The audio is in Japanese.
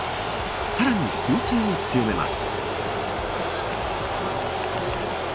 さらに攻勢を強めます。